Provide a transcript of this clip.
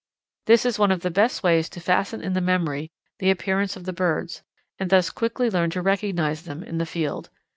This is one of the best ways to fasten in the memory the appearance of the birds, and thus quickly learn to recognize them in the field.